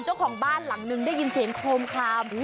เจ้าของบ้านหลังนึงได้ยินเสียงโคมคาม